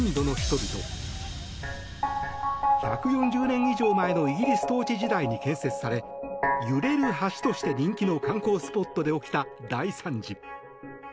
１４０年以上前のイギリス統治時代に建設され揺れる橋として人気の観光スポットで起きた大惨事。